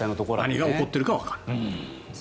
何が起こっているかはわからない。